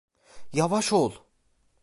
Yavaş ol!